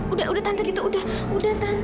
udah udah tante gitu udah udah tante